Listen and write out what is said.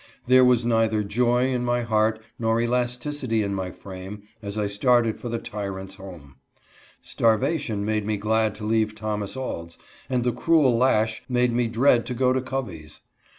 There was neither joy in my heart nor elasticity in my frame as I started for the tyrant's home. Starvation made me glad to leave Thomas Auld's, and the cruel lash made me dread to go to Covey's.